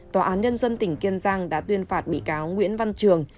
tòa án nhân dân tỉnh kiên giang đã tuyên phạt bị cáo nguyễn văn trường